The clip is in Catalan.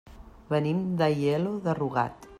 Venim d'Aielo de Rugat.